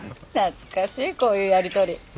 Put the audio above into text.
懐かしいこういうやり取り。